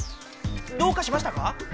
どうかしましたか？